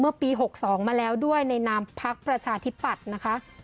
ปี๖๒มาแล้วด้วยในนามพักประชาธิปัตย์นะคะ